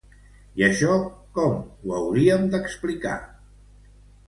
I això com ho hauríem d’explicar?